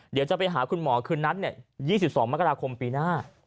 เดี๋ยวจะไปหาคุณหมอคืนนั้น๒๒มกราคมปีหน้า